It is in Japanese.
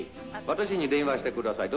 私に電話してください